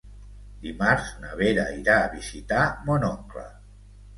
Dimarts na Vera irà a visitar mon oncle.